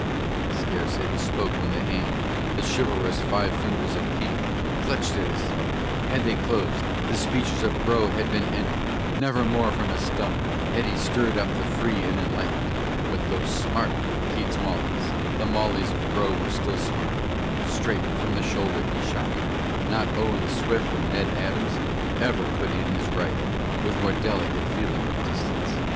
Scarce had he spoke when the hand, the chiválrous five fingers of Keitt, Clutched at his throat, had they closed, the speeches of Grow had been ended, Never more from a stump had he stirred up the free and enlightened; But though smart Keitt's mauleys, the mauleys of Grow were still smarter; Straight from the shoulder he shot, not Owen Swift or Ned Adams Ever put in his right with more delicate feeling of distance.